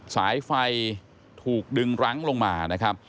สายไฟถูกดึงรั้งลงมานะครับ